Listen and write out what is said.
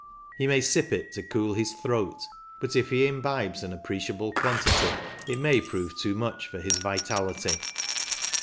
He may sip it to cool his throat, but if he imbibes an appreciable quantity, it may prove too much for his vitality.